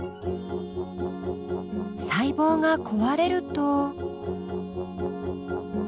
細胞が壊れると。